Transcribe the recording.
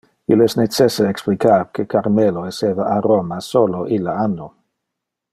Il es necesse explicar que Carmelo esseva a Roma solo ille anno.